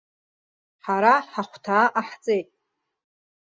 Ҳара ҳахәҭаа ҟаҳҵеит!